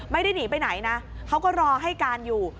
ไม่ได้หนีไปไหนนะเขาก็รอให้การอยู่